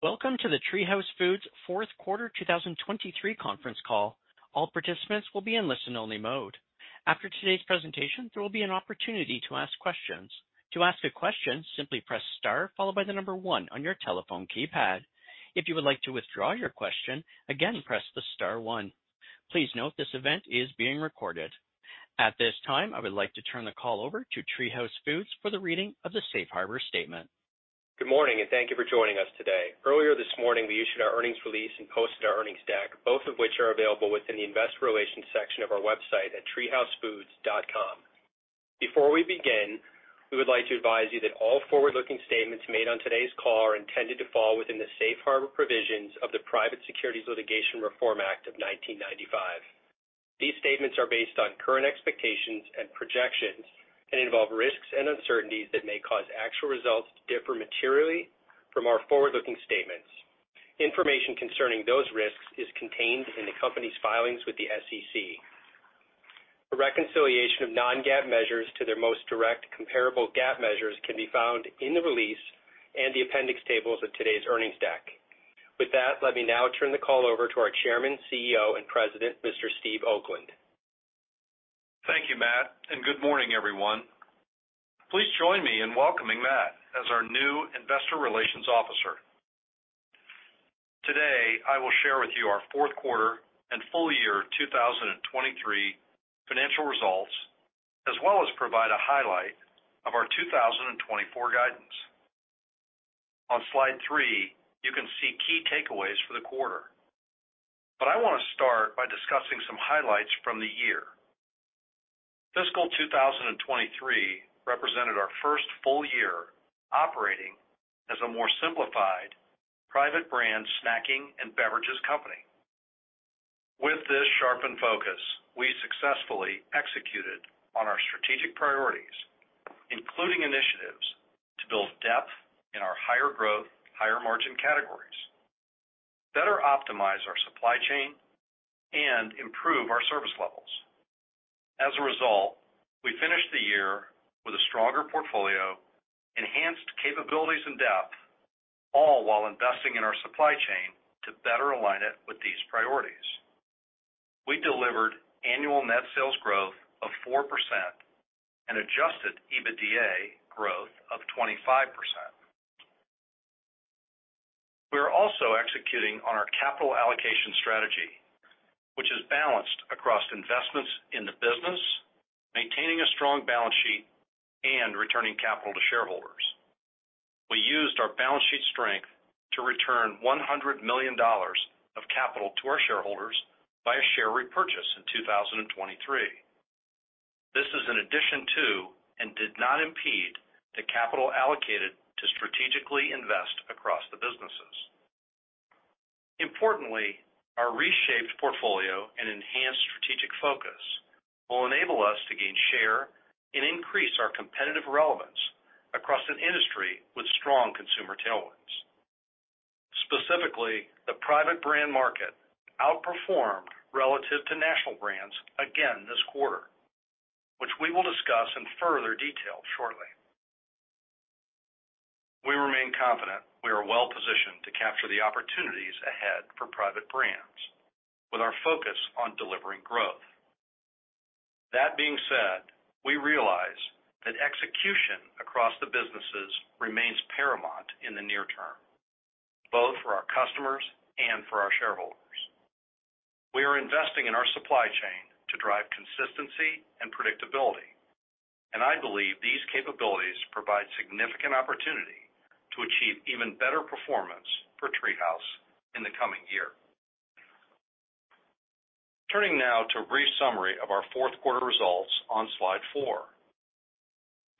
Welcome to the TreeHouse Foods fourth quarter 2023 conference call. All participants will be in listen-only mode. After today's presentation, there will be an opportunity to ask questions. To ask a question, simply press star followed by the number one on your telephone keypad. If you would like to withdraw your question, again, press the star one. Please note, this event is being recorded. At this time, I would like to turn the call over to TreeHouse Foods for the reading of the safe harbor statement. Good morning, and thank you for joining us today. Earlier this morning, we issued our earnings release and posted our earnings deck, both of which are available within the Investor Relations section of our website at treehousefoods.com. Before we begin, we would like to advise you that all forward-looking statements made on today's call are intended to fall within the safe harbor provisions of the Private Securities Litigation Reform Act of 1995. These statements are based on current expectations and projections and involve risks and uncertainties that may cause actual results to differ materially from our forward-looking statements. Information concerning those risks is contained in the company's filings with the SEC. A reconciliation of non-GAAP measures to their most direct comparable GAAP measures can be found in the release and the appendix tables of today's earnings deck. With that, let me now turn the call over to our Chairman, CEO, and President, Mr. Steve Oakland. Thank you, Matt, and good morning, everyone. Please join me in welcoming Matt as our new Investor Relations Officer. Today, I will share with you our fourth quarter and full year 2023 financial results, as well as provide a highlight of our 2024 guidance. On slide three, you can see key takeaways for the quarter, but I want to start by discussing some highlights from the year. Fiscal 2023 represented our first full year operating as a more simplified private brand snacking and beverages company. With this sharpened focus, we successfully executed on our strategic priorities, including initiatives to build depth in our higher growth, higher margin categories, better optimize our supply chain, and improve our service levels. As a result, we finished the year with a stronger portfolio, enhanced capabilities and depth, all while investing in our supply chain to better align it with these priorities. We delivered annual net sales growth of 4% and adjusted EBITDA growth of 25%. We are also executing on our capital allocation strategy, which is balanced across investments in the business, maintaining a strong balance sheet, and returning capital to shareholders. We used our balance sheet strength to return $100 million of capital to our shareholders by a share repurchase in 2023. This is in addition to and did not impede the capital allocated to strategically invest across the businesses. Importantly, our reshaped portfolio and enhanced strategic focus will enable us to gain share and increase our competitive relevance across an industry with strong consumer tailwinds. Specifically, the private brand market outperformed relative to national brands again this quarter, which we will discuss in further detail shortly. We remain confident we are well-positioned to capture the opportunities ahead for private brands with our focus on delivering growth. That being said, we realize that execution across the businesses remains paramount in the near term, both for our customers and for our shareholders. We are investing in our supply chain to drive consistency and predictability, and I believe these capabilities provide significant opportunity to achieve even better performance for TreeHouse in the coming year. Turning now to a brief summary of our fourth quarter results on slide four.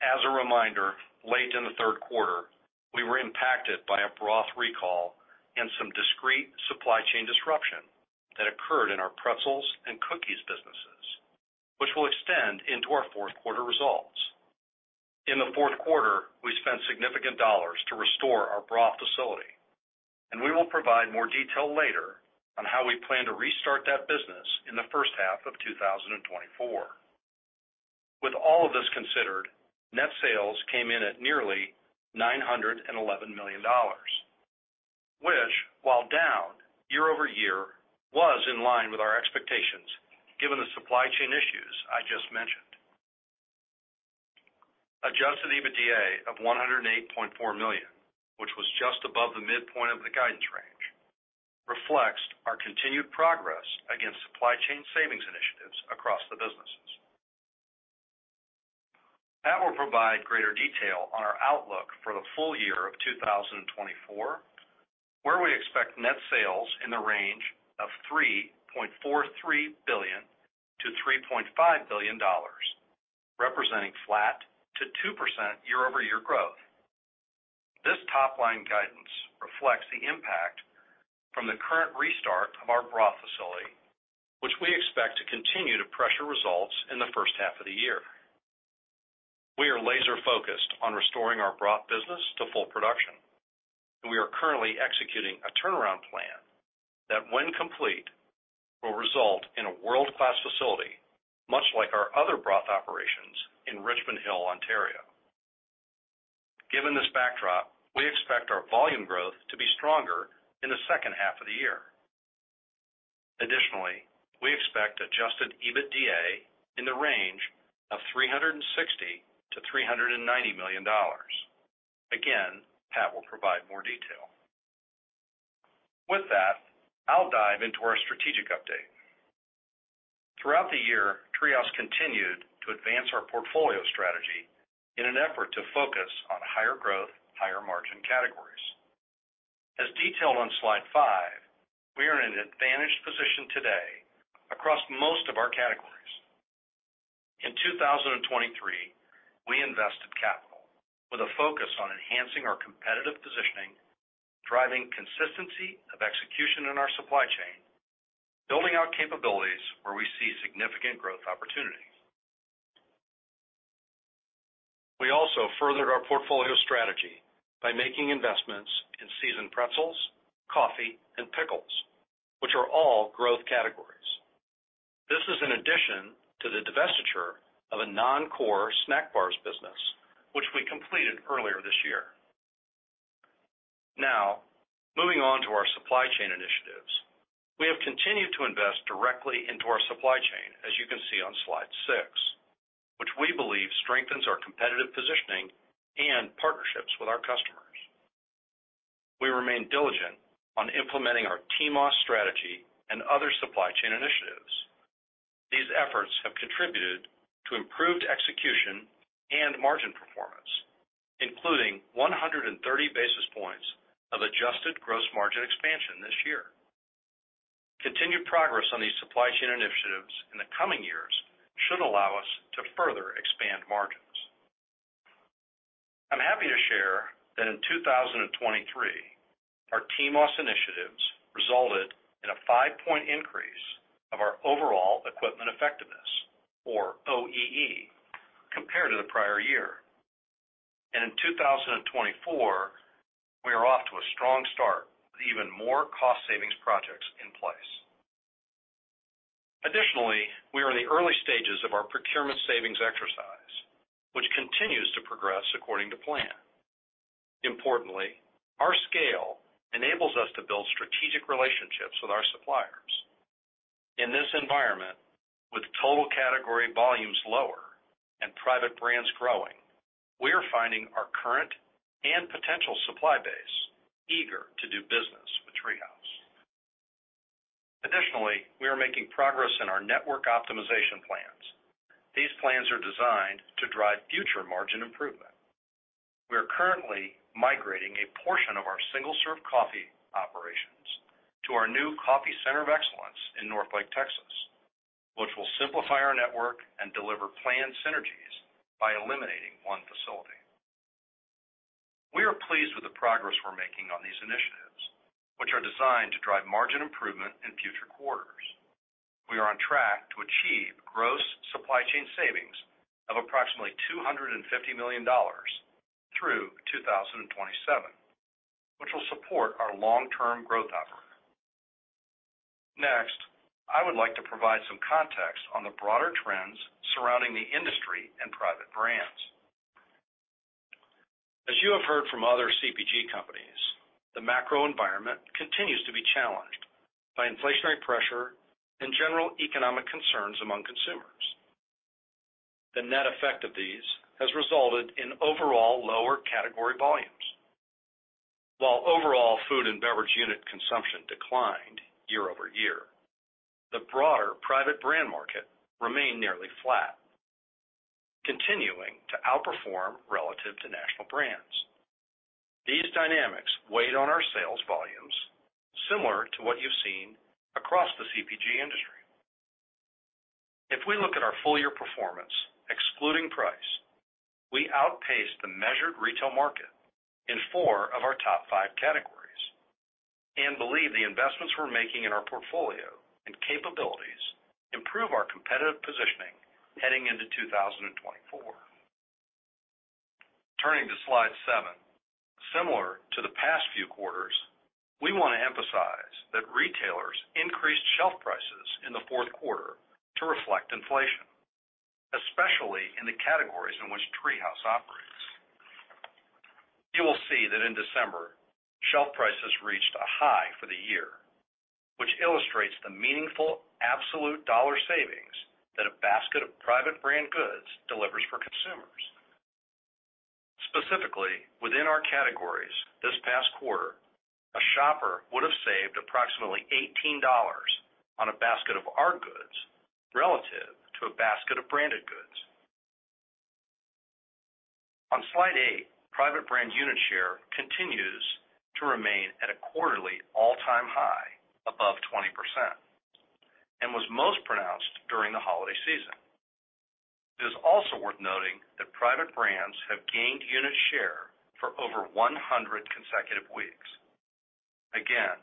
As a reminder, late in the third quarter, we were impacted by a broth recall and some discrete supply chain disruption that occurred in our pretzels and cookies businesses, which will extend into our fourth quarter results. In the fourth quarter, we spent significant dollars to restore our broth facility, and we will provide more detail later on how we plan to restart that business in the first half of 2024. With all of this considered, net sales came in at nearly $911 million, which, while down year-over-year, was in line with our expectations, given the supply chain issues I just mentioned. Adjusted EBITDA of $108.4 million, which was just above the midpoint of the guidance range, reflects our continued progress against supply chain savings initiatives across the businesses. Matt will provide greater detail on our outlook for the full year of 2024, where we expect net sales in the range of $3.43 billion-$3.5 billion, representing flat to 2% year-over-year growth. This top-line guidance reflects the impact from the current restart of our broth facility, which we expect to continue to pressure results in the first half of the year. We are laser-focused on restoring our broth business to full production, and we are currently executing a turnaround plan that when complete, will result in a world-class facility, much like our other broth operations in Richmond Hill, Ontario. Given this backdrop, we expect our volume growth to be stronger in the second half of the year. Additionally, we expect Adjusted EBITDA in the range of $360 million-$390 million. Again, Pat will provide more detail. With that, I'll dive into our strategic update. Throughout the year, TreeHouse continued to advance our portfolio strategy in an effort to focus on higher growth, higher margin categories. As detailed on Slide five, we are in an advantaged position today across most of our categories. In 2023, we invested capital with a focus on enhancing our competitive positioning, driving consistency of execution in our supply chain, building out capabilities where we see significant growth opportunities. We also furthered our portfolio strategy by making investments in seasoned pretzels, coffee, and pickles, which are all growth categories. This is in addition to the divestiture of a non-core snack bars business, which we completed earlier this year. Now, moving on to our supply chain initiatives. We have continued to invest directly into our supply chain, as you can see on Slide 6, which we believe strengthens our competitive positioning and partnerships with our customers. We remain diligent on implementing our TMOS strategy and other supply chain initiatives. These efforts have contributed to improved execution and margin performance, including 130 basis points of adjusted gross margin expansion this year. Continued progress on these supply chain initiatives in the coming years should allow us to further expand margins. I'm happy to share that in 2023, our TMOS initiatives resulted in a five-point increase of our overall equipment effectiveness, or OEE, compared to the prior year. In 2024, we are off to a strong start with even more cost savings projects in place. Additionally, we are in the early stages of our procurement savings exercise, which continues to progress according to plan. Importantly, our scale enables us to build strategic relationships with our suppliers. In this environment, with total category volumes lower and private brands growing, we are finding our current and potential supply base eager to do business with TreeHouse. Additionally, we are making progress in our network optimization plans. These plans are designed to drive future margin improvement. We are currently migrating a portion of our single-serve coffee operations to our new Coffee Center of Excellence in Northlake, Texas, which will simplify our network and deliver planned synergies by eliminating one facility. We are pleased with the progress we're making on these initiatives, which are designed to drive margin improvement in future quarters. We are on track to achieve gross supply chain savings of approximately $250 million through 2027, which will support our long-term growth effort. Next, I would like to provide some context on the broader trends surrounding the industry and private brands. As you have heard from other CPG companies, the macro environment continues to be challenged by inflationary pressure and general economic concerns among consumers. The net effect of these has resulted in overall lower category volumes. While overall food and beverage unit consumption declined year-over-year, the broader private brand market remained nearly flat, continuing to outperform relative to national brands. These dynamics weighed on our sales volumes, similar to what you've seen across the CPG industry. If we look at our full year performance, excluding price, we outpaced the measured retail market in four of our top five categories and believe the investments we're making in our portfolio and capabilities improve our competitive positioning heading into 2024. Turning to Slide 7. Similar to the past few quarters, we want to emphasize that retailers increased shelf prices in the fourth quarter to reflect inflation, especially in the categories in which TreeHouse operates. You will see that in December, shelf prices reached a high for the year, which illustrates the meaningful, absolute dollar savings that a basket of private brand goods delivers for consumers. Specifically, within our categories this past quarter, a shopper would have saved approximately $18 on a basket of our goods relative to a basket of branded goods. On Slide eight, private brand unit share continues to remain at a quarterly all-time high, above 20%, and was most pronounced during the holiday season. It is also worth noting that private brands have gained unit share for over 100 consecutive weeks. Again,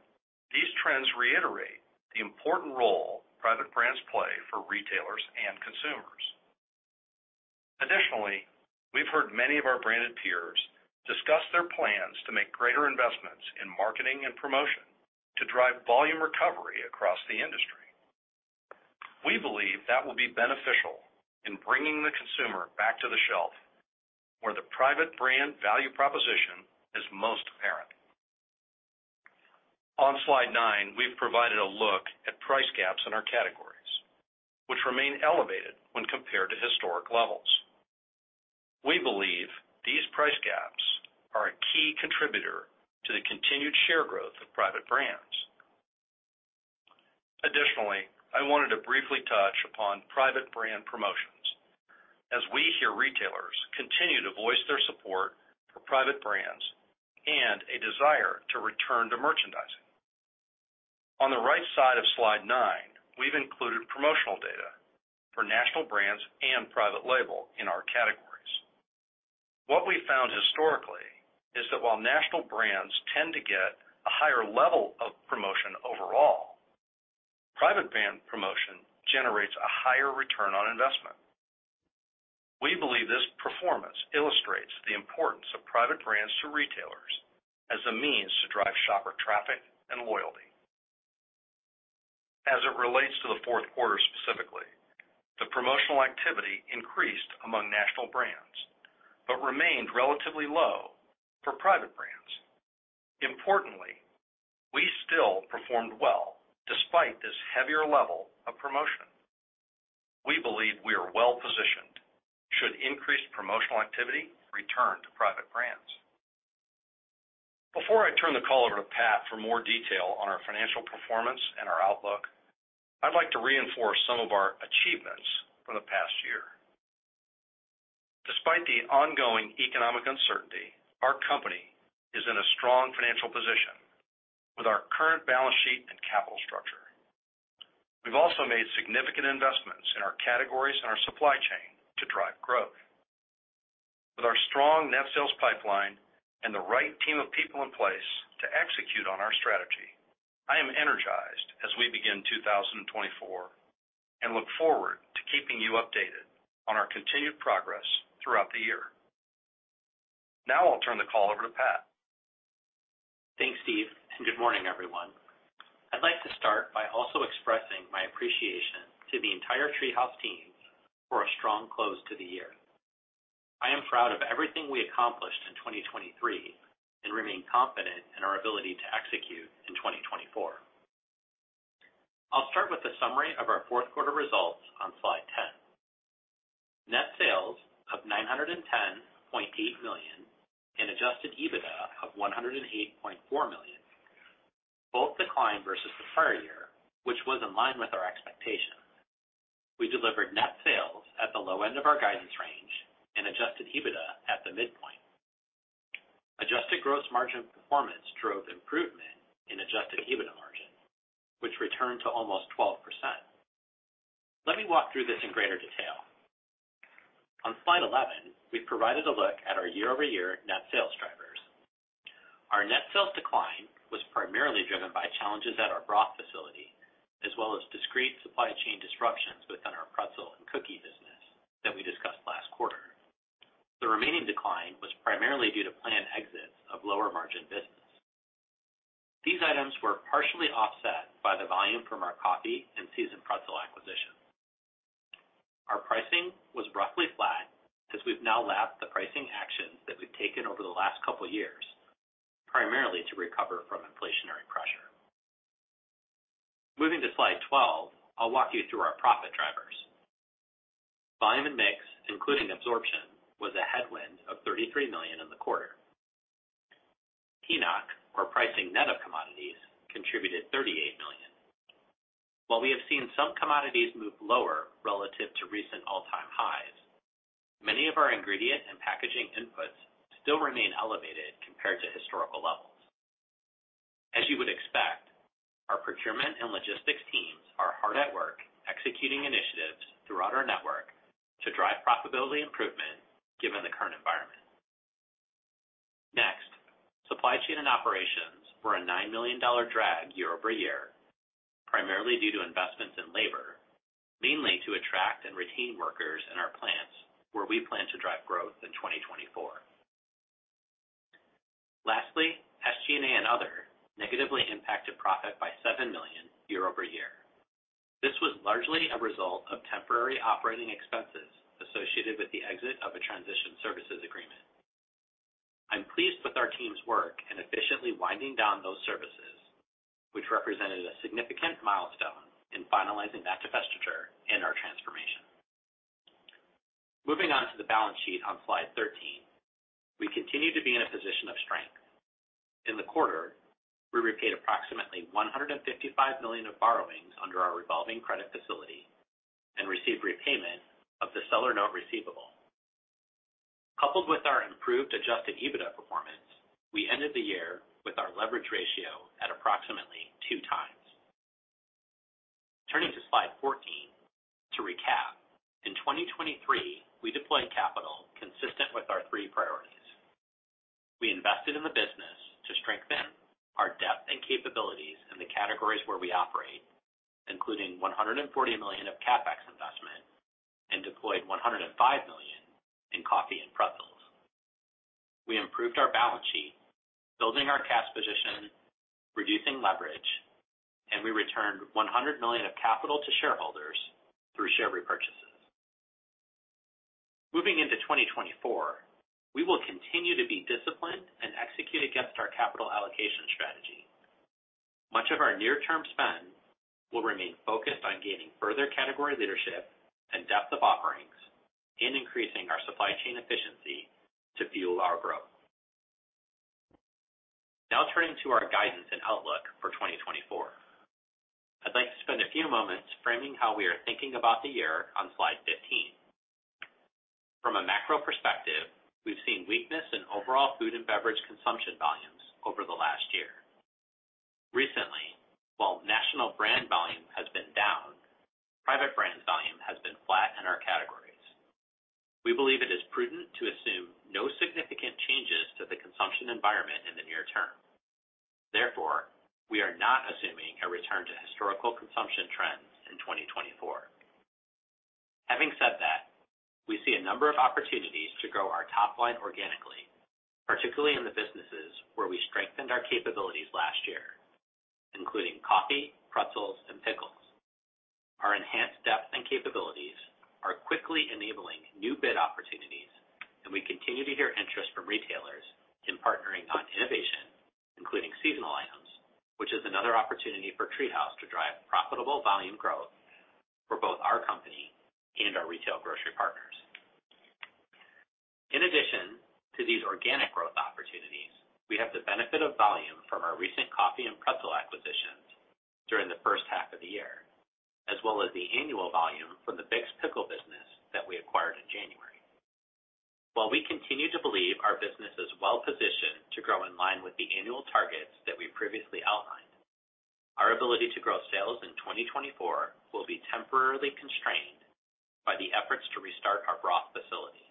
these trends reiterate the important role private brands play for retailers and consumers. Additionally, we've heard many of our branded peers discuss their plans to make greater investments in marketing and promotion to drive volume recovery across the industry. We believe that will be beneficial in bringing the consumer back to the shelf, where the private brand value proposition is most apparent. On slide 9, we've provided a look at price gaps in our categories, which remain elevated when compared to historic levels. We believe these price gaps are a key contributor to the continued share growth of private brands. Additionally, I wanted to briefly touch upon private brand promotions, as we hear retailers continue to voice their support for private brands and a desire to return to merchandising. On the right side of slide 9, we've included promotional data for national brands and private label in our categories. What we found historically is that while national brands tend to get a higher level of promotion overall, private brand promotion generates a higher return on investment. We believe this performance illustrates the importance of private brands to retailers as a means to drive shopper traffic and loyalty. As it relates to the fourth quarter specifically, the promotional activity increased among national brands, but remained relatively low for private brands. Importantly, we still performed well despite this heavier level of promotion. We believe we are well-positioned should increased promotional activity return to private brands. Before I turn the call over to Pat for more detail on our financial performance and our outlook, I'd like to reinforce some of our achievements for the past year. Despite the ongoing economic uncertainty, our company is in a strong financial position with our current balance sheet and capital structure. We've also made significant investments in our categories and our supply chain to drive growth. With our strong net sales pipeline and the right team of people in place to execute on our strategy, I am energized as we begin 2024, and look forward to keeping you updated on our continued progress throughout the year. Now I'll turn the call over to Pat. Thanks, Steve, and good morning, everyone. I'd like to start by also expressing my appreciation to the entire TreeHouse teams for a strong close to the year. I am proud of everything we accomplished in 2023 and remain confident in our ability to execute in 2024. I'll start with a summary of our fourth quarter results on slide 10. Net sales of $910.8 million and Adjusted EBITDA of $108.4 million, both declined versus the prior year, which was in line with our expectations. We delivered net sales at the low end of our guidance range and Adjusted EBITDA at the midpoint. Adjusted gross margin performance drove improvement in Adjusted EBITDA margin, which returned to almost 12%. Let me walk through this in greater detail. On slide 11, we've provided a look at our year-over-year net sales drivers. Our net sales decline was primarily driven by challenges at our broth facility, as well as discrete supply chain disruptions within our pretzel and cookie business that we discussed last quarter. The remaining decline was primarily due to planned exits of lower margin business. These items were partially offset by the volume from our coffee and seasoned pretzel acquisition. Our pricing was roughly flat, since we've now lapped the pricing actions that we've taken over the last couple years, primarily to recover from inflationary pressure. Moving to slide 12, I'll walk you through our profit drivers. Volume and mix, including absorption, was a headwind of $33 million in the quarter. PNOC, or pricing net of commodities, contributed $38 million. While we have seen some commodities move lower relative to recent all-time highs, many of our ingredient and packaging inputs still remain elevated compared to historical levels. As you would expect, our procurement and logistics teams are hard at work executing initiatives throughout our network to drive profitability improvement, given the current environment. Next, supply chain and operations were a $9 million drag year-over-year, primarily due to investments in labor, mainly to attract and retain workers in our plants, where we plan to drive growth in 2024. Lastly, SG&A and other negatively impacted profit by $7 million year-over-year. This was largely a result of temporary operating expenses associated with the exit of a transition services agreement. I'm pleased with our team's work in efficiently winding down those services, which represented a significant milestone in finalizing that divestiture in our transformation. Moving on to the balance sheet on slide 13, we continue to be in a position of strength. In the quarter, we repaid approximately $155 million of borrowings under our revolving credit facility and received repayment of the seller note receivable. Coupled with our improved Adjusted EBITDA performance, we ended the year with our leverage ratio at approximately 2x. Turning to slide 14, to recap, in 2023, we deployed capital consistent with our three priorities. We invested where we operate, including $140 million of CapEx investment and deployed $105 million in coffee and pretzels. We improved our balance sheet, building our cash position, reducing leverage, and we returned $100 million of capital to shareholders through share repurchases. Moving into 2024, we will continue to be disciplined and execute against our capital allocation strategy. Much of our near-term spend will remain focused on gaining further category leadership and depth of offerings, and increasing our supply chain efficiency to fuel our growth. Now, turning to our guidance and outlook for 2024. I'd like to spend a few moments framing how we are thinking about the year on slide 15. From a macro perspective, we've seen weakness in overall food and beverage consumption volumes over the last year. Recently, while national brand volume has been down, private brands volume has been flat in our categories. We believe it is prudent to assume no significant changes to the consumption environment in the near term. Therefore, we are not assuming a return to historical consumption trends in 2024. Having said that, we see a number of opportunities to grow our top line organically, particularly in the businesses where we strengthened our capabilities last year, including coffee, pretzels, and pickles. Our enhanced depth and capabilities are quickly enabling new bid opportunities, and we continue to hear interest from retailers in partnering on innovation, including seasonal items, which is another opportunity for TreeHouse to drive profitable volume growth for both our company and our retail grocery partners. In addition to these organic growth opportunities, we have the benefit of volume from our recent coffee and pretzel acquisitions during the first half of the year, as well as the annual volume from the Bick's pickle business that we acquired in January. While we continue to believe our business is well-positioned to grow in line with the annual targets that we previously outlined, our ability to grow sales in 2024 will be temporarily constrained by the efforts to restart our broth facility.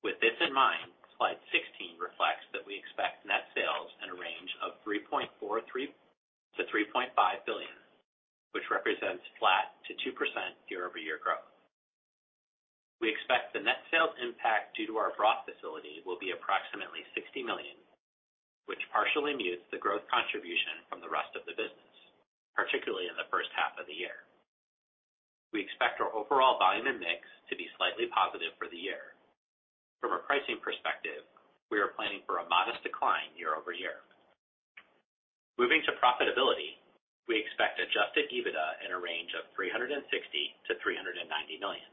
With this in mind, slide 16 reflects that we expect net sales in a range of $3.43 billion-$3.5 billion, which represents flat to 2% year-over-year growth. We expect the net sales impact due to our broth facility will be approximately $60 million, which partially mutes the growth contribution from the rest of the business, particularly in the first half of the year. We expect our overall volume and mix to be slightly positive for the year. From a pricing perspective, we are planning for a modest decline year-over-year. Moving to profitability, we expect Adjusted EBITDA in a range of $360 million-$390 million.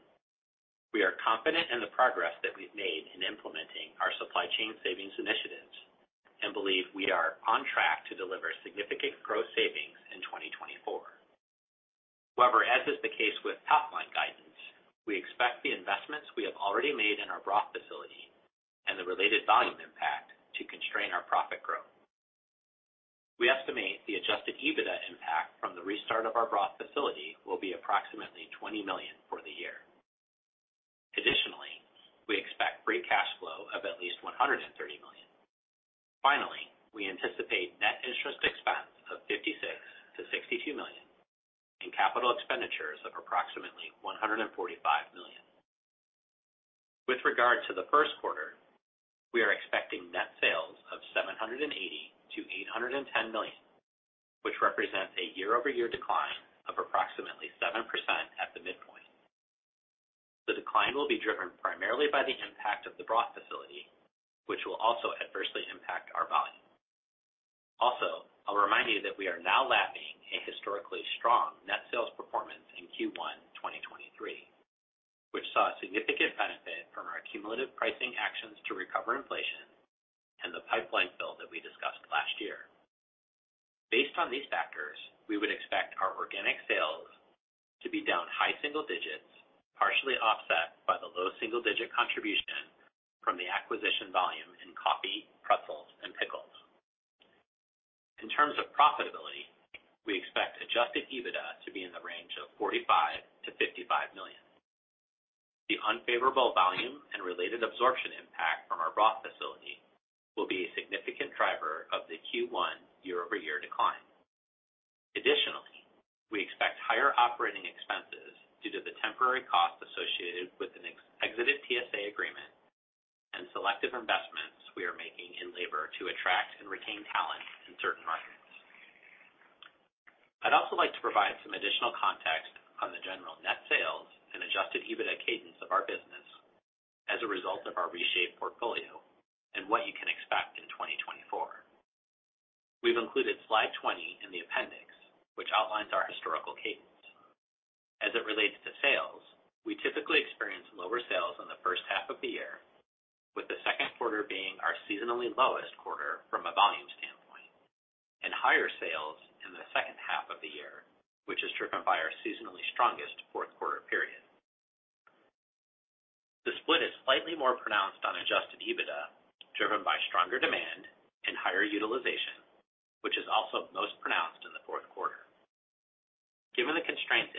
We are confident in the progress that we've made in implementing our supply chain savings initiatives and believe we are on track to deliver significant growth savings in 2024. However, as is the case with top-line guidance, we expect the investments we have already made in our broth facility and the related volume impact to constrain our profit growth. We estimate the Adjusted EBITDA impact from the restart of our broth facility will be approximately $20 million for the year. Additionally, we expect Free Cash Flow of at least $130 million. Finally, we anticipate net interest expense of $56 million-$62 million and capital expenditures of approximately $145 million. With regard to the first quarter, we are expecting net sales of $780 million-$810 million, which represents a year-over-year decline of approximately 7% at the midpoint. The decline will be driven primarily by the impact of the broth facility, which will also adversely impact our volume. Also, I'll remind you that we are now lapping a historically strong net sales performance in Q1 2023, which saw a significant benefit from our cumulative pricing actions to recover inflation and the pipeline build that we discussed last year. Based on these factors, we would expect our organic sales to be down high single digits, partially offset by the low single digit contribution from the acquisition volume in coffee, pretzels, and pickles. In terms of profitability, we expect Adjusted EBITDA to be in the range of $45 million-$55 million. The unfavorable volume and related absorption impact from our broth facility will be a significant driver of the Q1 year-over-year decline. Additionally, we expect higher operating expenses due to the temporary cost associated with a post-exit TSA agreement and selective investments we are making in labor to attract and retain talent in certain markets. I'd also like to provide some additional context on the general net sales and adjusted EBITDA cadence of our business as a result of our reshaped portfolio and what you can expect in 2024. We've included slide 20 in the appendix, which outlines our historical cadence. As it relates to sales, we typically experience lower sales in the first half of the year, with the second quarter being our seasonally lowest quarter from a volume standpoint, and higher sales in the second half of the year, which is driven by our seasonally strongest fourth quarter period. The split is slightly more pronounced on Adjusted EBITDA, driven by stronger demand and higher utilization, which is also most pronounced in the fourth quarter. Given the constraints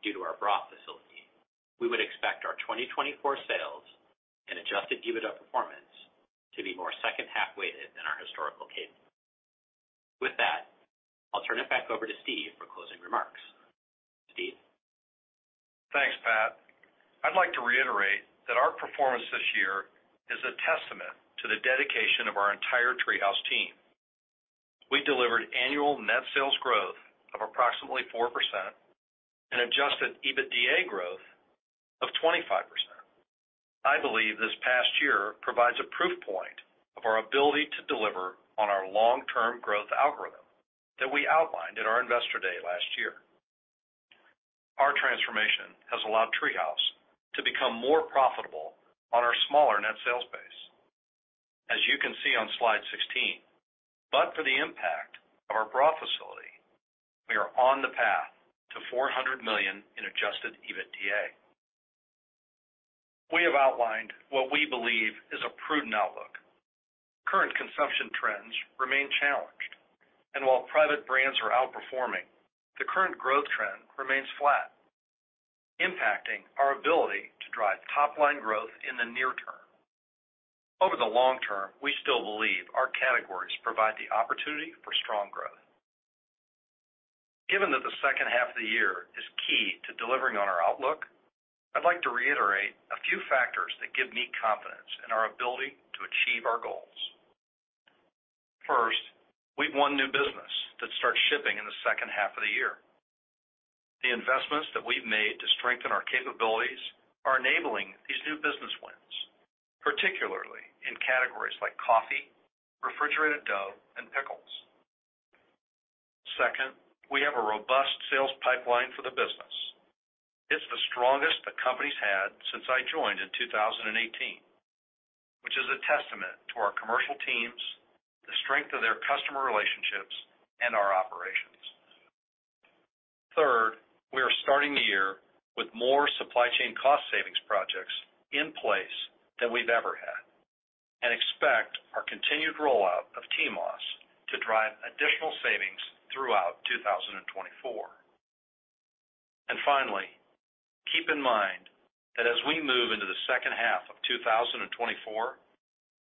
due to our broth facility, we would expect our 2024 sales and Adjusted EBITDA performance to be more second half weighted than our historical case. With that, I'll turn it back over to Steve for closing remarks. Steve? Thanks, Pat. I'd like to reiterate that our performance this year is a testament to the dedication of our entire TreeHouse team. We delivered annual net sales growth of approximately 4% and adjusted EBITDA growth of 25%. I believe this past year provides a proof point of our ability to deliver on our long-term growth algorithm that we outlined at our Investor Day last year. Our transformation has allowed TreeHouse to become more profitable on our smaller net sales base. As you can see on slide 16, but for the impact of our broth facility, we are on the path to $400 million in adjusted EBITDA. We have outlined what we believe is a prudent outlook. Current consumption trends remain challenged, and while private brands are outperforming, the current growth trend remains flat, impacting our ability to drive top-line growth in the near term. Over the long term, we still believe our categories provide the opportunity for strong growth. Given that the second half of the year is key to delivering on our outlook, I'd like to reiterate a few factors that give me confidence in our ability to achieve our goals. First, we've won new business that starts shipping in the second half of the year. The investments that we've made to strengthen our capabilities are enabling these new business wins, particularly in categories like coffee, refrigerated dough, and pickles. Second, we have a robust sales pipeline for the business. It's the strongest the company's had since I joined in 2018, which is a testament to our commercial teams, the strength of their customer relationships, and our operations. Third, we are starting the year with more supply chain cost savings projects in place than we've ever had and expect our continued rollout of TMOS to drive additional savings throughout 2024. And finally, keep in mind that as we move into the second half of 2024,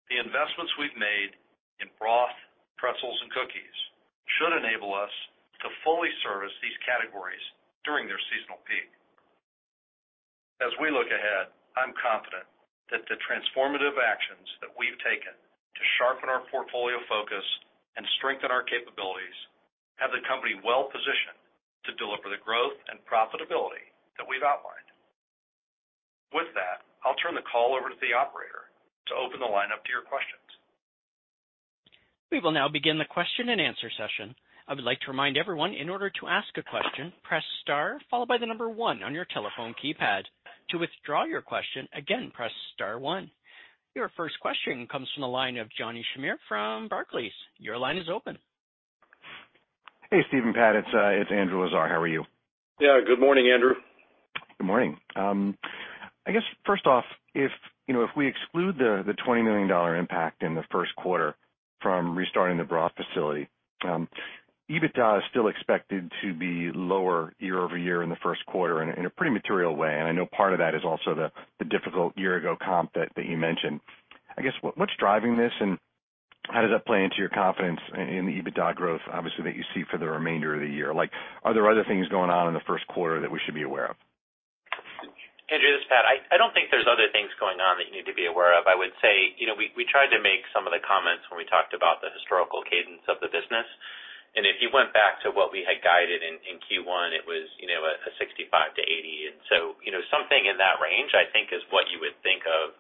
the investments we've made in broth, pretzels, and cookies should enable us to fully service these categories during their seasonal peak. As we look ahead, I'm confident that the transformative actions that we've taken to sharpen our portfolio focus and strengthen our capabilities have the company well positioned to deliver the growth and profitability that we've outlined. With that, I'll turn the call over to the operator to open the line up to your questions. We will now begin the question-and-answer session. I would like to remind everyone, in order to ask a question, press star, followed by the number one on your telephone keypad. To withdraw your question, again, press star one. Your first question comes from the line of Johnny Shamir from Barclays. Your line is open. Hey, Steve and Pat, it's, it's Andrew Lazar. How are you? Yeah, good morning, Andrew. Good morning. I guess first off, if, you know, if we exclude the $20 million impact in the first quarter from restarting the broth facility, EBITDA is still expected to be lower year-over-year in the first quarter in a pretty material way, and I know part of that is also the difficult year ago comp that you mentioned. I guess, what, what's driving this, and how does that play into your confidence in the EBITDA growth, obviously, that you see for the remainder of the year? Like, are there other things going on in the first quarter that we should be aware of? Andrew, this is Pat. I don't think there's other things going on that you need to be aware of. I would say, you know, we tried to make some of the comments when we talked about the historical cadence of the business, and if you went back to what we had guided in Q1, it was, you know, a 65-80. So, you know, something in that range, I think, is what you would think of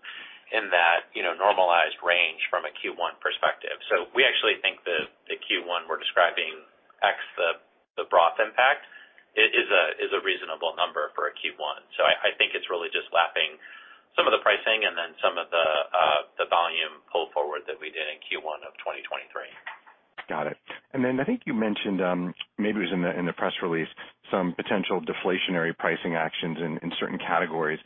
in that, you know, normalized range from a Q1 perspective. So we actually think the Q1 we're describing, ex the broth impact, is a reasonable number for a Q1. So I think it's really just lapping some of the pricing and then some of the volume pull forward that we did in Q1 of 2023. Got it. And then I think you mentioned maybe it was in the press release, some potential deflationary pricing actions in certain categories.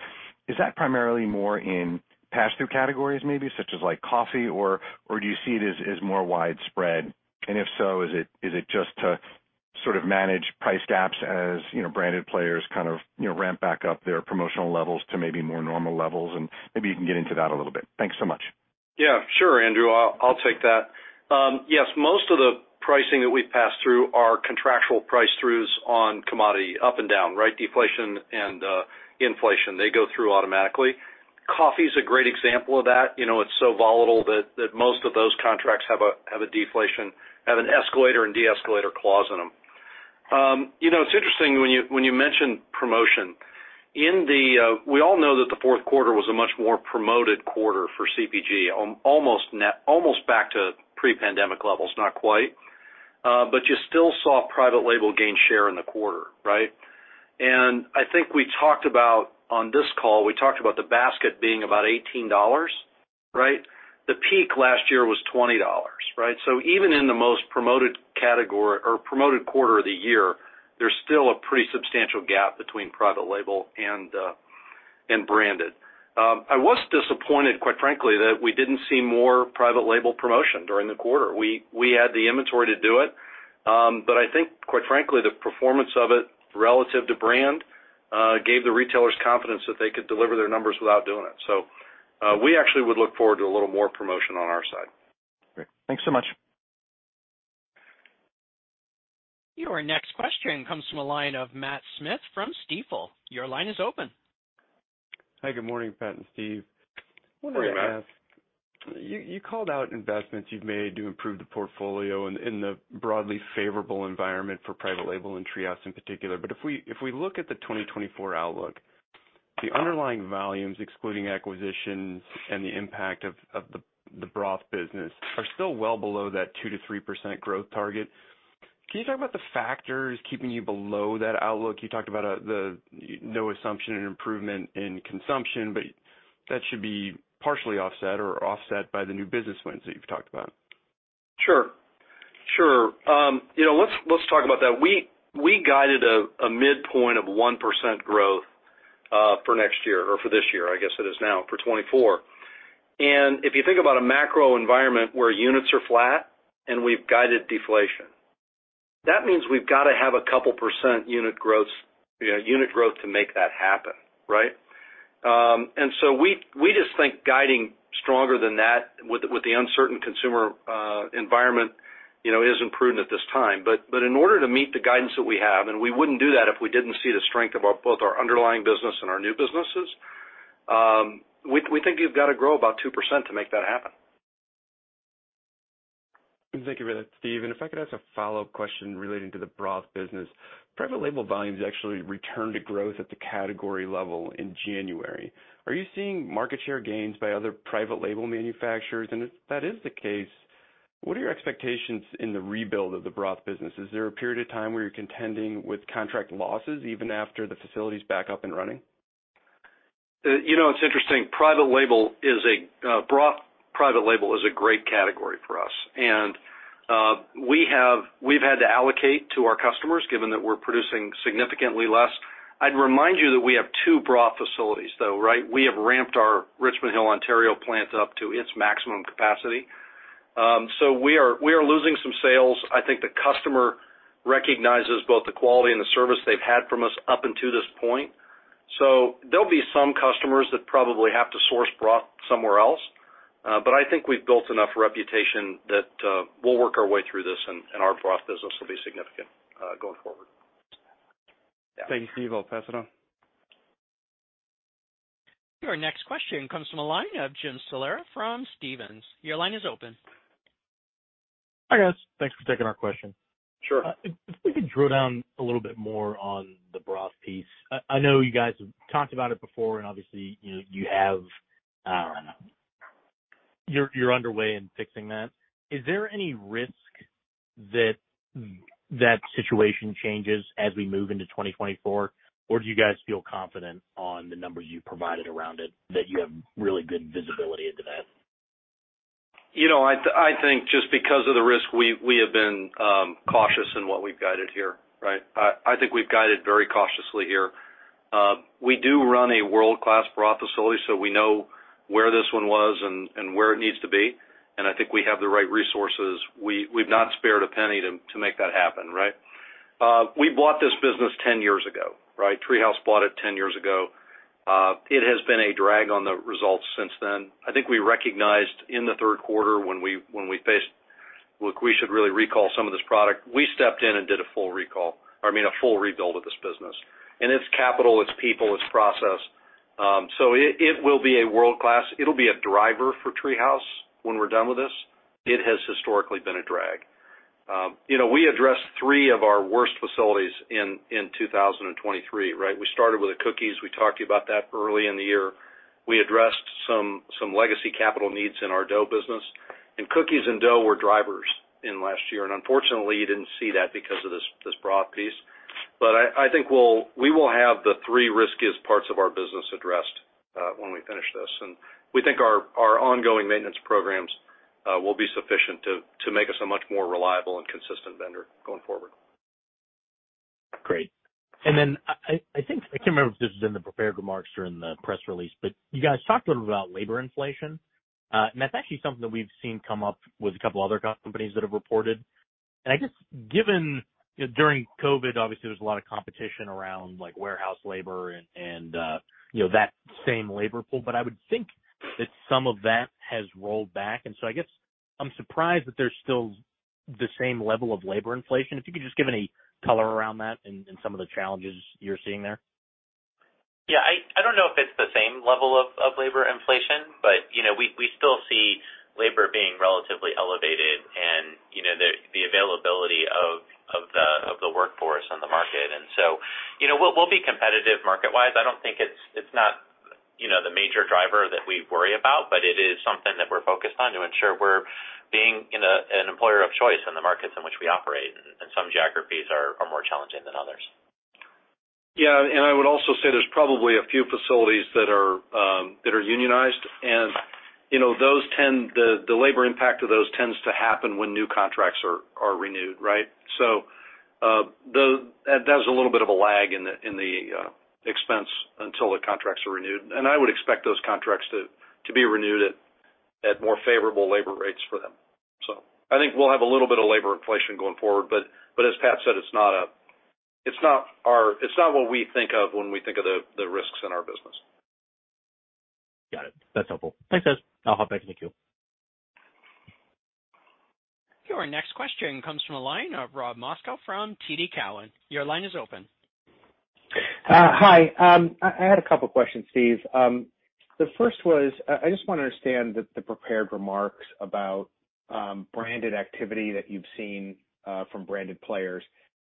Is that primarily more in pass-through categories, maybe, such as like coffee, or do you see it as more widespread? And if so, is it just to sort of manage price gaps as, you know, branded players kind of, you know, ramp back up their promotional levels to maybe more normal levels? And maybe you can get into that a little bit. Thanks so much. Yeah, sure, Andrew, I'll take that. Yes, most of the pricing that we pass through are contractual price throughs on commodity, up and down, right? Deflation and inflation, they go through automatically. Coffee's a great example of that. You know, it's so volatile that most of those contracts have an escalator and de-escalator clause in them. You know, it's interesting when you mention promotion. We all know that the fourth quarter was a much more promoted quarter for CPG, almost back to pre-pandemic levels, not quite. But you still saw private label gain share in the quarter, right? And I think we talked about, on this call, we talked about the basket being about $18, right? The peak last year was $20, right? So even in the most promoted category or promoted quarter of the year, there's still a pretty substantial gap between private label and branded. I was disappointed, quite frankly, that we didn't see more private label promotion during the quarter. We had the inventory to do it, but I think, quite frankly, the performance of it relative to brand gave the retailers confidence that they could deliver their numbers without doing it. So, we actually would look forward to a little more promotion on our side. Great. Thanks so much. Your next question comes from the line of Matt Smith from Stifel. Your line is open. Hi, good morning, Pat and Steve. Good morning, Matt. I wanted to ask, you, you called out investments you've made to improve the portfolio in, in the broadly favorable environment for private label and TreeHouse in particular. But if we, if we look at the 2024 outlook, the underlying volumes, excluding acquisitions and the impact of, of the, the broth business, are still well below that 2%-3% growth target. Can you talk about the factors keeping you below that outlook? You talked about the no assumption and improvement in consumption, but that should be partially offset or offset by the new business wins that you've talked about. Sure. Sure, you know, let's, let's talk about that. We, we guided a midpoint of 1% growth, for next year or for this year, I guess it is now, for 2024. And if you think about a macro environment where units are flat and we've guided deflation, that means we've gotta have a couple % unit growth to make that happen, right? And so we, we just think guiding stronger than that with the, with the uncertain consumer environment, you know, isn't prudent at this time. But, but in order to meet the guidance that we have, and we wouldn't do that if we didn't see the strength of our, both our underlying business and our new businesses, we, we think you've gotta grow about 2% to make that happen. Thank you for that, Steve. If I could ask a follow-up question relating to the broth business. Private label volumes actually returned to growth at the category level in January. Are you seeing market share gains by other private label manufacturers? And if that is the case, what are your expectations in the rebuild of the broth business? Is there a period of time where you're contending with contract losses even after the facility is back up and running? You know, it's interesting. Private label is a broth private label is a great category for us, and we have—we've had to allocate to our customers, given that we're producing significantly less. I'd remind you that we have two broth facilities, though, right? We have ramped our Richmond Hill, Ontario, plant up to its maximum capacity. So we are, we are losing some sales. I think the customer recognizes both the quality and the service they've had from us up until this point. So there'll be some customers that probably have to source broth somewhere else, but I think we've built enough reputation that we'll work our way through this, and our broth business will be significant going forward. Thank you, Steve. I'll pass it on. Your next question comes from the line of Jim Salera from Stephens. Your line is open. Hi, guys. Thanks for taking our question. Sure. If we could drill down a little bit more on the broth piece. I know you guys have talked about it before, and obviously, you know, you have you're underway in fixing that. Is there any risk that that situation changes as we move into 2024? Or do you guys feel confident on the numbers you provided around it, that you have really good visibility into that? You know, I think just because of the risk, we have been cautious in what we've guided here, right? I think we've guided very cautiously here. We do run a world-class broth facility, so we know where this one was and where it needs to be, and I think we have the right resources. We've not spared a penny to make that happen, right? We bought this business 10 years ago, right? TreeHouse bought it 10 years ago. It has been a drag on the results since then. I think we recognized in the third quarter when we faced - look, we should really recall some of this product. We stepped in and did a full recall - I mean, a full rebuild of this business, and it's capital, it's people, it's process. So it will be a world-class. It'll be a driver for TreeHouse when we're done with this. It has historically been a drag. You know, we addressed three of our worst facilities in 2023, right? We started with the cookies. We talked to you about that early in the year. We addressed some legacy capital needs in our dough business, and cookies and dough were drivers in last year, and unfortunately, you didn't see that because of this broth piece. But I think we will have the three riskiest parts of our business addressed when we finish this, and we think our ongoing maintenance programs will be sufficient to make us a much more reliable and consistent vendor going forward. Great. And then I think I can't remember if this was in the prepared remarks during the press release, but you guys talked a little about labor inflation, and that's actually something that we've seen come up with a couple other companies that have reported. And I guess given during COVID, obviously, there was a lot of competition around, like, warehouse labor and you know, that same labor pool, but I would think that some of that has rolled back. And so I guess I'm surprised that there's still the same level of labor inflation. If you could just give any color around that and some of the challenges you're seeing there. Yeah, I don't know if it's the same level of labor inflation, but, you know, we still see labor being relatively elevated and, you know, the availability of the workforce on the market. And so, you know, we'll be competitive market-wise. I don't think it's, it's not, you know, the major driver that we worry about, but it is something that we're focused on to ensure we're being, you know, an employer of choice in the markets in which we operate, and some geographies are more challenging than others. Yeah, and I would also say there's probably a few facilities that are unionized. And, you know, those tend to, the labor impact of those tends to happen when new contracts are renewed, right? So, that's a little bit of a lag in the expense until the contracts are renewed. And I would expect those contracts to be renewed at more favorable labor rates for them. So I think we'll have a little bit of labor inflation going forward, but as Pat said, it's not what we think of when we think of the risks in our business. Got it. That's helpful. Thanks, guys. I'll hop back in the queue. Your next question comes from the line of Rob Moskow from TD Cowen. Your line is open. Hi. I had a couple of questions, Steve. The first was, I just want to understand the prepared remarks about branded activity that you've seen from branded players.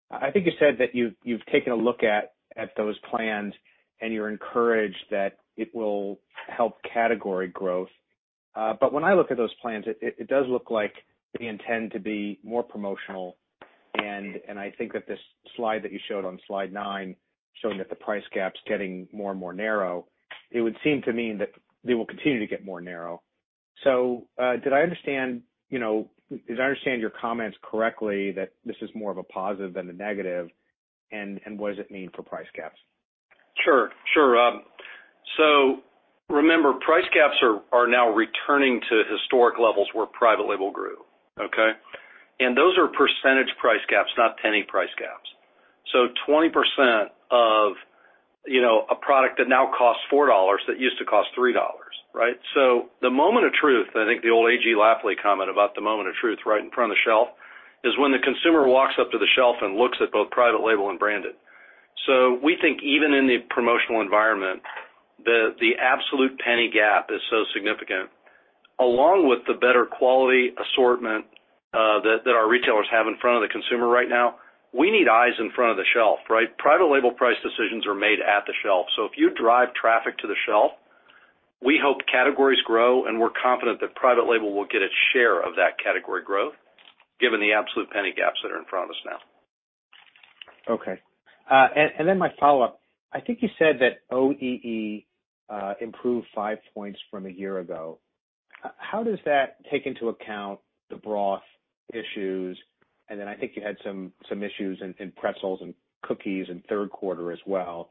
I think you said that you've taken a look at those plans, and you're encouraged that it will help category growth. But when I look at those plans, it does look like they intend to be more promotional. And I think that this slide that you showed on slide nine, showing that the price gap is getting more and more narrow, it would seem to me that they will continue to get more narrow. So, did I understand, you know, did I understand your comments correctly, that this is more of a positive than a negative? And what does it mean for price gaps? Sure, sure. So remember, price gaps are now returning to historic levels where private label grew, okay? And those are percentage price gaps, not penny price gaps. So 20% of, you know, a product that now costs $4, that used to cost $3, right? So the moment of truth, I think the old A.G. Lafley comment about the moment of truth, right in front of the shelf, is when the consumer walks up to the shelf and looks at both private label and branded. So we think even in the promotional environment, the absolute penny gap is so significant, along with the better quality assortment, that our retailers have in front of the consumer right now, we need eyes in front of the shelf, right? Private label price decisions are made at the shelf. So if you drive traffic to the shelf, we hope categories grow, and we're confident that private label will get its share of that category growth, given the absolute penny gaps that are in front of us now. Okay. And then my follow-up: I think you said that OEE improved five points from a year ago. How does that take into account the broth issues? And then I think you had some issues in pretzels and cookies in third quarter as well.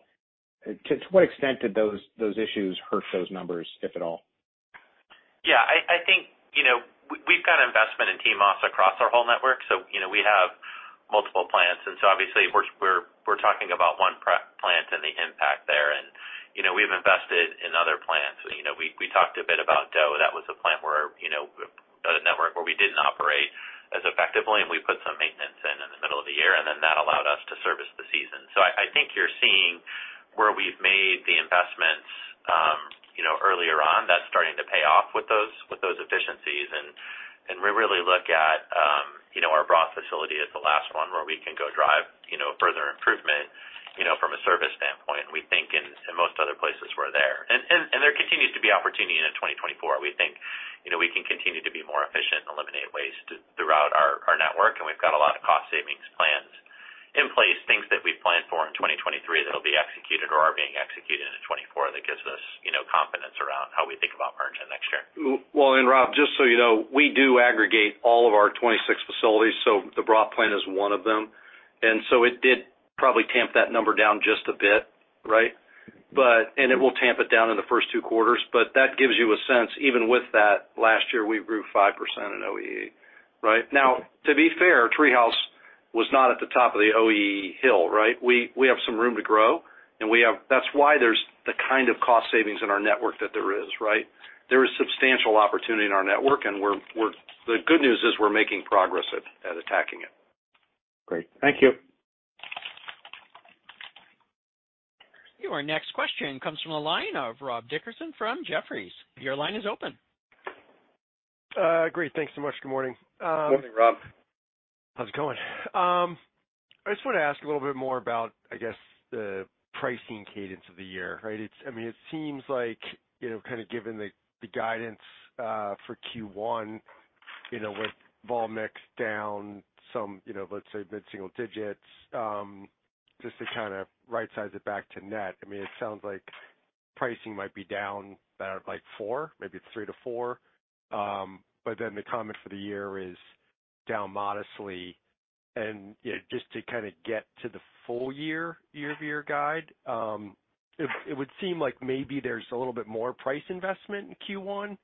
To what extent did those issues hurt those numbers, if at all? Yeah, I think, you know, we've got investment in TMOS across our whole network, so you know, we have multiple plants. And so obviously, we're talking about one plant and the impact there. And, you know, we've invested in other plants. You know, we talked a bit about Doe. That was a plant where, you know, a network where we didn't operate as effectively, and we put some maintenance in in the middle of the year, and then that allowed us to service the season. So I think you're seeing where we've made the investments, you know, earlier on, that's starting to pay off with those efficiencies. And we really look at, you know, our broth facility as the last one where we can go drive, you know, further improvement, you know, from a service standpoint. We think in most other places, we're there. There continues to be opportunity in 2024. We think, you know, we can continue to be more efficient and eliminate waste throughout our network, and we've got a lot of cost savings plans in place, things that we've planned for in 2023 that will be executed or are being executed in 2024, that gives us, you know, confidence around how we think about margin next year. Well, and Rob, just so you know, we do aggregate all of our 26 facilities, so the broth plant is one of them. And so it did probably tamp that number down just a bit, right? But, and it will tamp it down in the first two quarters, but that gives you a sense, even with that, last year, we grew 5% in OEE, right? Now, to be fair, TreeHouse was not at the top of the OEE hill, right? We, we have some room to grow, and we have—that's why there's the kind of cost savings in our network that there is, right? There is substantial opportunity in our network, and we're, we're—the good news is we're making progress at, at attacking it. Great. Thank you. Your next question comes from the line of Rob Dickerson from Jefferies. Your line is open. Great. Thanks so much. Good morning. Good morning, Rob. How's it going? I just want to ask a little bit more about, I guess, the pricing cadence of the year, right? I mean, it seems like, you know, kind of given the guidance for Q1, you know, with vol mix down some, you know, let's say mid-single digits, just to kind of rightsize it back to net. I mean, it sounds like pricing might be down by, like, four, maybe 3-4, but then the comment for the year is down modestly. And, you know, just to kind of get to the full year, year-over-year guide, it would seem like maybe there's a little bit more price investment in Q1.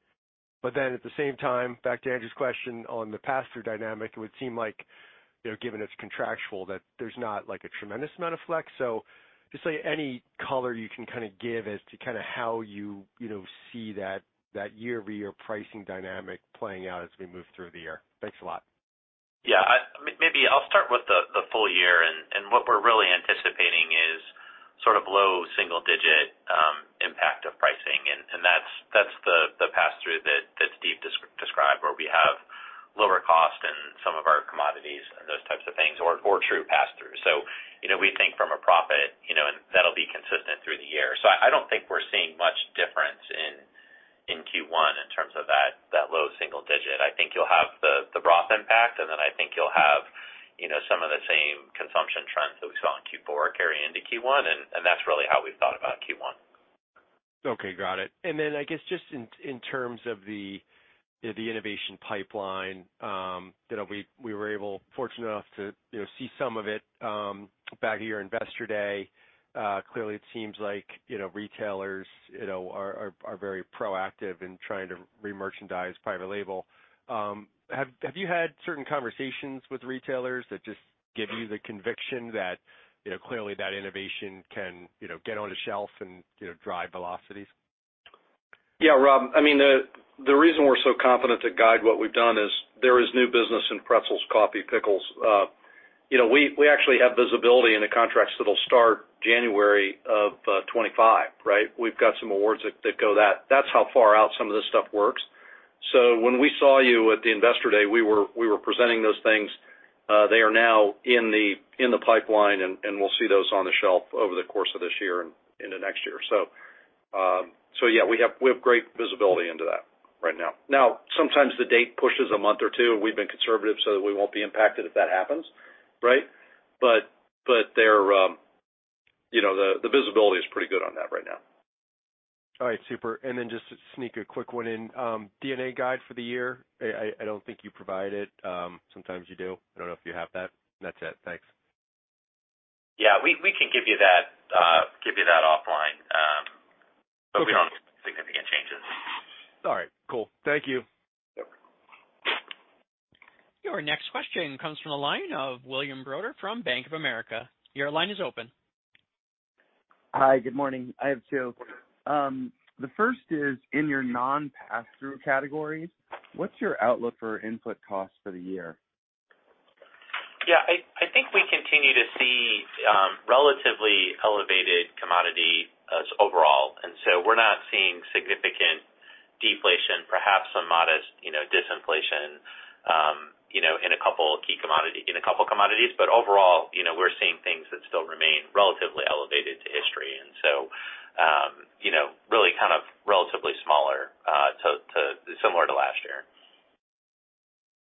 But then at the same time, back to Andrew's question on the pass-through dynamic, it would seem like, you know, given it's contractual, that there's not, like, a tremendous amount of flex. So just, like, any color you can kind of give as to kind of how you, you know, see that, that year-over-year pricing dynamic playing out as we move through the year. Thanks a lot. Yeah, maybe I'll start with the full year. And what we're really anticipating is sort of low single digit impact of pricing, and that's the pass-through that Steve described, where we have lower cost in some of our commodities and those types of things, or true pass-through. So, you know, we think from a profit, you know, and that'll be consistent through the year. So I don't think we're seeing much difference, low single digit. I think you'll have the broad impact, and then I think you'll have, you know, some of the same consumption trends that we saw in Q4 carry into Q1, and that's really how we've thought about Q1. Okay, got it. And then I guess just in terms of the innovation pipeline, you know, we were able-- fortunate enough to, you know, see some of it back at your Investor Day. Clearly, it seems like, you know, retailers, you know, are very proactive in trying to re-merchandise private label. Have you had certain conversations with retailers that just give you the conviction that, you know, clearly that innovation can, you know, get on the shelf and, you know, drive velocities? Yeah, Rob, I mean, the reason we're so confident to guide what we've done is there is new business in pretzels, coffee, pickles. You know, we actually have visibility in the contracts that'll start January of 2025, right? We've got some awards that go. That's how far out some of this stuff works. So when we saw you at the Investor Day, we were presenting those things. They are now in the pipeline, and we'll see those on the shelf over the course of this year and into next year. So, yeah, we have great visibility into that right now. Now, sometimes the date pushes a month or two. We've been conservative, so we won't be impacted if that happens, right? They're, you know, the visibility is pretty good on that right now. All right. Super. And then just to sneak a quick one in, D&A guide for the year. I don't think you provide it. Sometimes you do. I don't know if you have that. That's it. Thanks. Yeah, we can give you that offline, but we don't have significant changes. All right, cool. Thank you. Yep. Your next question comes from the line of William Browder from Bank of America. Your line is open. Hi, good morning. I have two. The first is, in your non-passthrough categories, what's your outlook for input costs for the year? Yeah, I think we continue to see relatively elevated commodities overall, and so we're not seeing significant deflation, perhaps some modest, you know, disinflation, you know, in a couple key commodities. But overall, you know, we're seeing things that still remain relatively elevated to history. And so, you know, really kind of relatively smaller to similar to last year.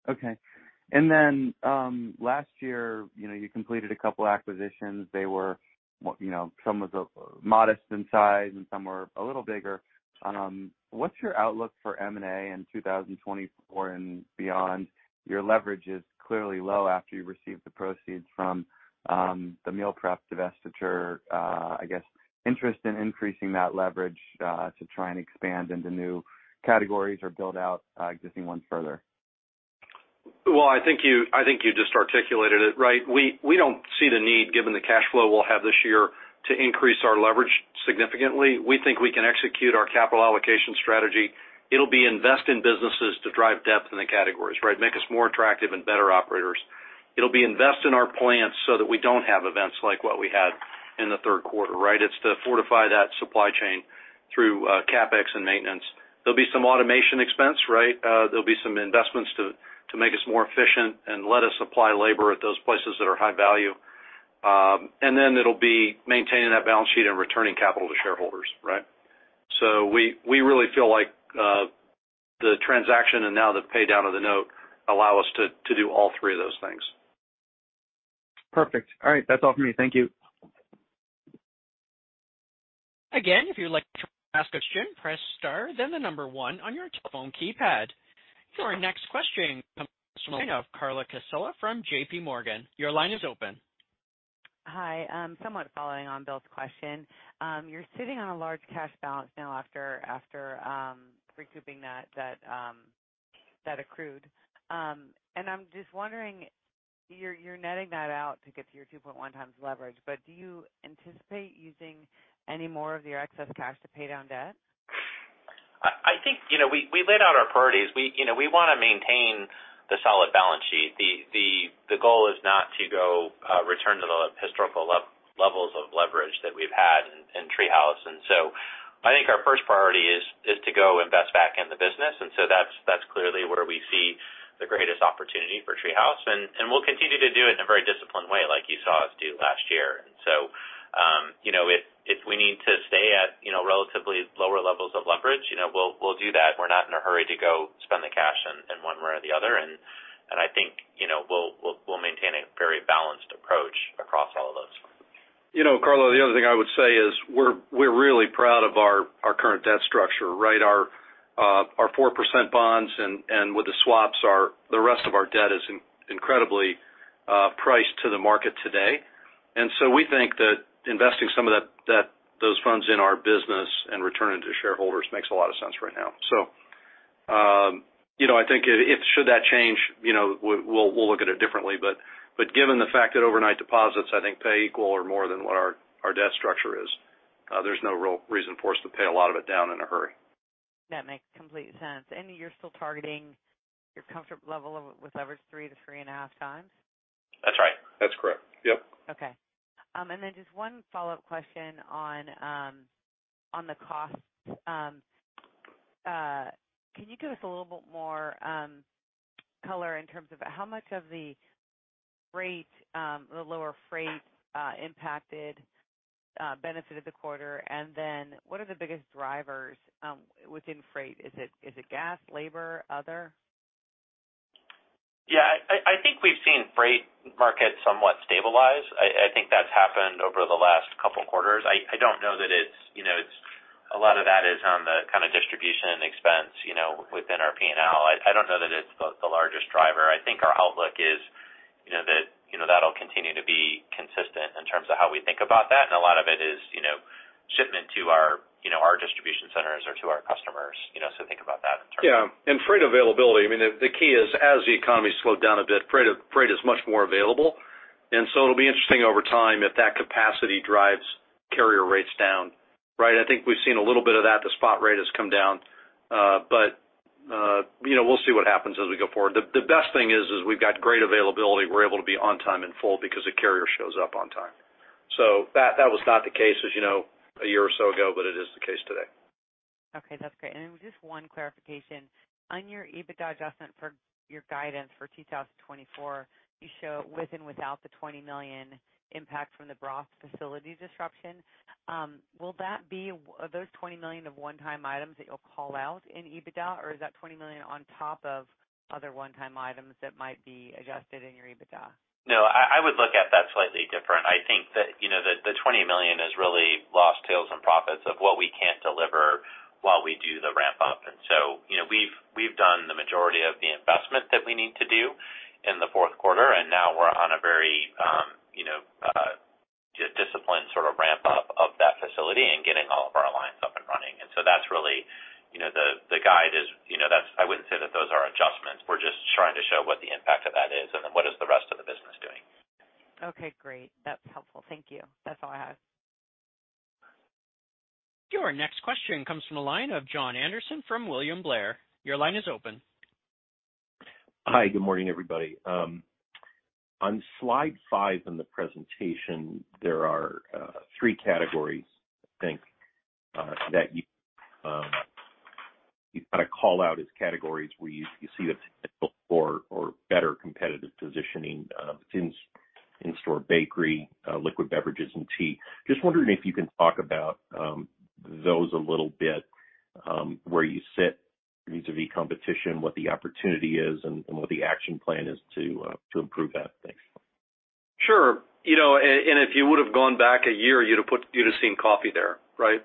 Okay. And then, last year, you know, you completed a couple acquisitions. They were, you know, some of the modest in size and some were a little bigger. What's your outlook for M&A in 2024 and beyond? Your leverage is clearly low after you received the proceeds from, the meal prep divestiture. I guess, interest in increasing that leverage, to try and expand into new categories or build out, existing ones further. Well, I think you just articulated it, right? We don't see the need, given the cash flow we'll have this year, to increase our leverage significantly. We think we can execute our capital allocation strategy. It'll be invest in businesses to drive depth in the categories, right? Make us more attractive and better operators. It'll be invest in our plants so that we don't have events like what we had in the third quarter, right? It's to fortify that supply chain through CapEx and maintenance. There'll be some automation expense, right? There'll be some investments to make us more efficient and let us supply labor at those places that are high value. And then it'll be maintaining that balance sheet and returning capital to shareholders, right? So we really feel like the transaction and now the pay down of the note allow us to do all three of those things. Perfect. All right. That's all for me. Thank you. Again, if you'd like to ask a question, press star, then the number 1 on your telephone keypad. Your next question comes from the line of Carla Casella from JP Morgan. Your line is open. Hi. Somewhat following on Bill's question. You're sitting on a large cash balance now after recouping that accrued. And I'm just wondering, you're netting that out to get to your 2.1x leverage, but do you anticipate using any more of your excess cash to pay down debt? I think, you know, we laid out our priorities. You know, we wanna maintain the solid balance sheet. The goal is not to return to the historical levels of leverage that we've had in TreeHouse. And so I think our first priority is to go invest back in the business, and so that's clearly where we see the greatest opportunity for TreeHouse, and we'll continue to do it in a very disciplined way, like you saw us do last year. So, you know, if we need to stay at, you know, relatively lower levels of leverage, you know, we'll do that. We're not in a hurry to go spend the cash in one way or the other, and I think, you know, we'll maintain a very balanced approach across all of those. You know, Carla, the other thing I would say is, we're really proud of our current debt structure, right? Our 4% bonds and, with the swaps, the rest of our debt is incredibly priced to the market today. And so we think that investing some of those funds in our business and returning to shareholders makes a lot of sense right now. So, you know, I think, should that change, you know, we'll look at it differently. But given the fact that overnight deposits, I think, pay equal or more than what our debt structure is, there's no real reason for us to pay a lot of it down in a hurry. That makes complete sense. You're still targeting your comfort level with leverage 3-3.5x? That's right. That's correct. Yep. Okay. And then just one follow-up question on the cost. Can you give us a little bit more,... color in terms of how much of the freight, the lower freight impacted benefit of the quarter, and then what are the biggest drivers within freight? Is it, is it gas, labor, other? Yeah, I think we've seen the freight market somewhat stabilize. I think that's happened over the last couple of quarters. I don't know that it's, you know, a lot of that is on the kind of distribution and expense, you know, within our P&L. I don't know that it's the largest driver. I think our outlook is, you know, that'll continue to be consistent in terms of how we think about that. And a lot of it is, you know, shipment to our, you know, our distribution centers or to our customers, you know, so think about that in terms of- Yeah, and freight availability, I mean, the key is as the economy slowed down a bit, freight is much more available, and so it'll be interesting over time if that capacity drives carrier rates down, right? I think we've seen a little bit of that. The spot rate has come down, but you know, we'll see what happens as we go forward. The best thing is we've got great availability. We're able to be on time in full because the carrier shows up on time. So that was not the case, as you know, a year or so ago, but it is the case today. Okay, that's great. And just one clarification: on your EBITDA adjustment for your guidance for 2024, you show with and without the $20 million impact from the broth facility disruption. Will that be, are those $20 million of one-time items that you'll call out in EBITDA, or is that $20 million on top of other one-time items that might be adjusted in your EBITDA? No, I would look at that slightly different. I think that, you know, the $20 million is really lost sales and profits of what we can't deliver while we do the ramp up. And so, you know, we've done the majority of the investment that we need to do in the fourth quarter, and now we're on a very, you know, disciplined sort of ramp-up of that facility and getting all of our lines up and running. And so that's really, you know, the guide is, you know, that's. I wouldn't say that those are adjustments. We're just trying to show what the impact of that is and then what is the rest of the business doing. Okay, great. That's helpful. Thank you. That's all I have. Your next question comes from the line of John Anderson from William Blair. Your line is open. Hi, good morning, everybody. On slide five in the presentation, there are three categories, I think, that you, you kind of call out as categories where you, you see the potential for or better competitive positioning, in-store bakery, liquid beverages, and tea. Just wondering if you can talk about those a little bit, where you sit vis-a-vis competition, what the opportunity is, and what the action plan is to improve that. Thanks. Sure. You know, and if you would have gone back a year, you'd have put—you'd have seen coffee there, right?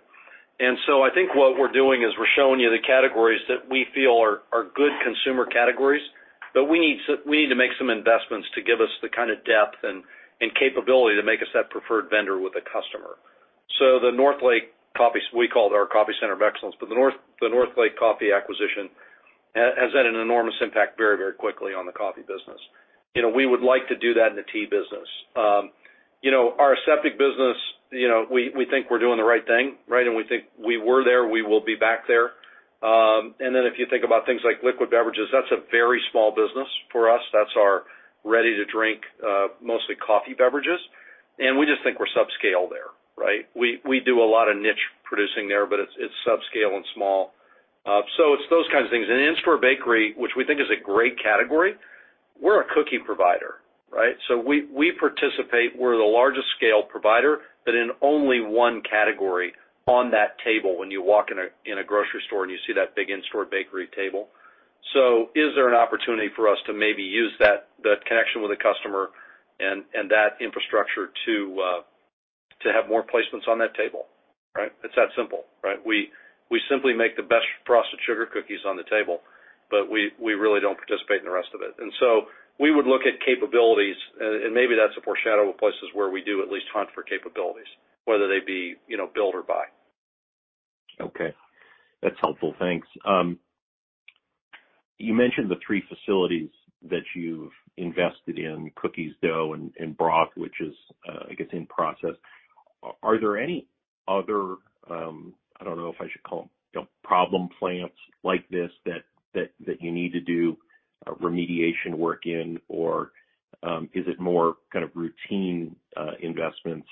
And so I think what we're doing is we're showing you the categories that we feel are good consumer categories, but we need some we need to make some investments to give us the kind of depth and capability to make us that preferred vendor with the customer. So the Northlake coffee, we call it our Coffee Center of Excellence, but the Northlake coffee acquisition has had an enormous impact very, very quickly on the coffee business. You know, we would like to do that in the tea business. You know, our aseptic business, you know, we think we're doing the right thing, right? And we think we were there, we will be back there. And then if you think about things like liquid beverages, that's a very small business for us. That's our ready-to-drink, mostly coffee beverages, and we just think we're subscale there, right? We, we do a lot of niche producing there, but it's, it's subscale and small. So it's those kinds of things. And in-store bakery, which we think is a great category, we're a cookie provider, right? So we, we participate, we're the largest scale provider, but in only one category on that table, when you walk in a, in a grocery store and you see that big in-store bakery table. So is there an opportunity for us to maybe use that, that connection with the customer and, and that infrastructure to, to have more placements on that table, right? It's that simple, right? We simply make the best frosted sugar cookies on the table, but we really don't participate in the rest of it. And so we would look at capabilities, and maybe that's a foreshadow of places where we do at least hunt for capabilities, whether they be, you know, build or buy. Okay, that's helpful. Thanks. You mentioned the three facilities that you've invested in, cookies, dough, and broth, which is, I guess, in process. Are there any other, I don't know if I should call them, you know, problem plants like this that you need to do remediation work in, or is it more kind of routine investments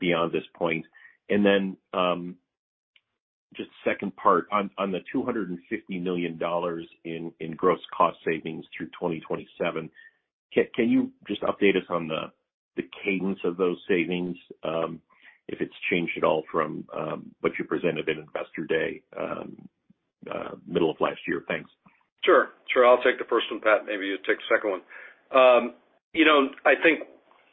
beyond this point? And then, just second part, on the $250 million in gross cost savings through 2027, can you just update us on the cadence of those savings, if it's changed at all from what you presented in Investor Day middle of last year? Thanks. Sure. Sure. I'll take the first one, Pat. Maybe you take the second one. You know, I think...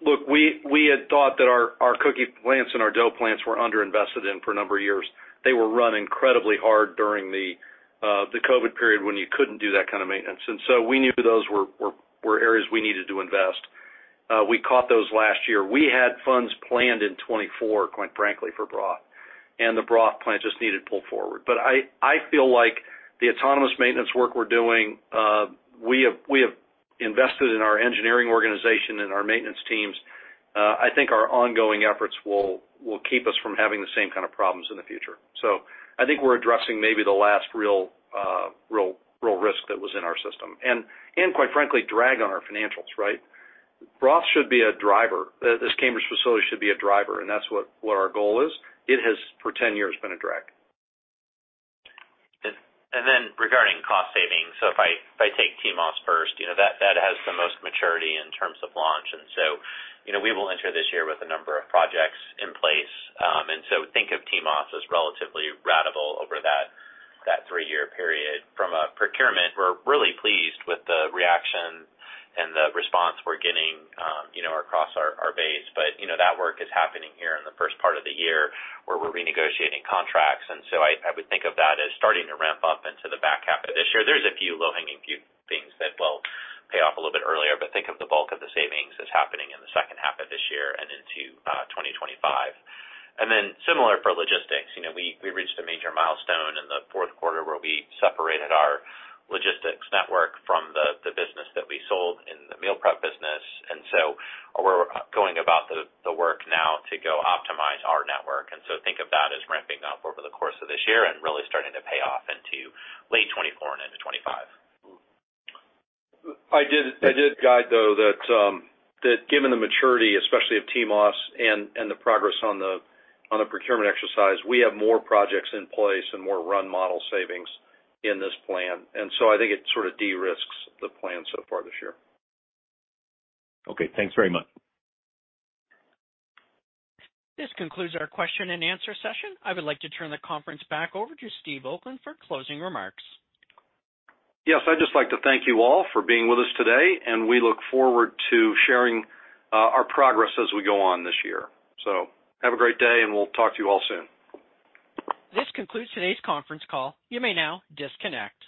Look, we had thought that our cookie plants and our dough plants were underinvested in for a number of years. They were run incredibly hard during the COVID period when you couldn't do that kind of maintenance. And so we knew those were areas we needed to invest. We caught those last year. We had funds planned in 2024, quite frankly, for broth, and the broth plant just needed pull forward. But I feel like the autonomous maintenance work we're doing, we have invested in our engineering organization and our maintenance teams. I think our ongoing efforts will keep us from having the same kind of problems in the future. So I think we're addressing maybe the last real risk that was in our system, and quite frankly, drag on our financials, right? Broth should be a driver. This Cambridge facility should be a driver, and that's what our goal is. It has, for 10 years, been a drag. And then regarding cost savings, so if I take TMOS first, you know, that has the most maturity in terms of launch. And so, you know, we will enter this year with a number of projects in place. And so think of TMOS as relatively ratable over that three-year period. From a procurement, we're really pleased with the reaction and the response we're getting, you know, across our base. But, you know, that work is happening here in the first part of the year, where we're renegotiating contracts. And so I would think of that as starting to ramp up into the back half of this year. There's a few low-hanging fruit, things that will pay off a little bit earlier, but think of the bulk of the savings as happening in the second half of this year and into 2025. And then similar for logistics, you know, we reached a major milestone in the fourth quarter, where we separated our logistics network from the business that we sold in the meal prep business. And so we're going about the work now to go optimize our network. And so think of that as ramping up over the course of this year and really starting to pay off into late 2024 and into 2025. I did, I did guide, though, that, that given the maturity, especially of TMOS and, and the progress on the, on the procurement exercise, we have more projects in place and more run model savings in this plan. And so I think it sort of de-risks the plan so far this year. Okay, thanks very much. This concludes our question and answer session. I would like to turn the conference back over to Steve Oakland for closing remarks. Yes, I'd just like to thank you all for being with us today, and we look forward to sharing our progress as we go on this year. So have a great day, and we'll talk to you all soon. This concludes today's conference call. You may now disconnect.